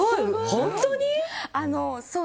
本当に？